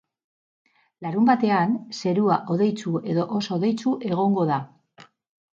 Larunbatean, zerua hodeitsu edo oso hodeitsu egongo da.